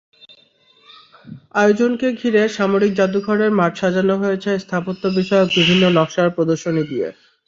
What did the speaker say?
আয়োজনকে ঘিরে সামরিক জাদুঘরের মাঠ সাজানো হয়েছে স্থাপত্যবিষয়ক বিভিন্ন নকশার প্রদর্শনী দিয়ে।